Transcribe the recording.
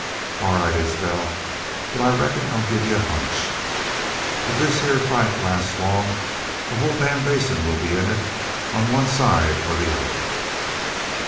"All right, Isbel. But I reckon I'll give y'u a hunch. If this heah fight lasts long the whole damn Basin will be in it, on one side or t'other."